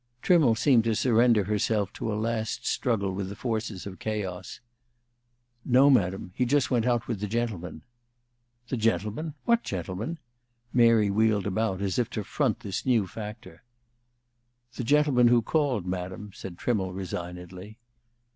Trimmle seemed to surrender herself to a last struggle with the forces of chaos. "No, Madam. He just went out with the gentleman." "The gentleman? What gentleman?" Mary wheeled about, as if to front this new factor. "The gentleman who called, Madam," said Trimmle, resignedly.